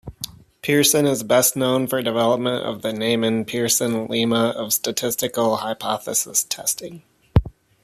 Pearson is best known for development of the Neyman-Pearson lemma of statistical hypothesis testing.